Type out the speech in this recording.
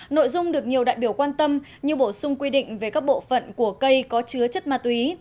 nội dung được nhiều đại biểu quan tâm như bổ sung quy định về các bộ phận của cây có chứa chất ma túy